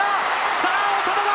さぁ長田だ！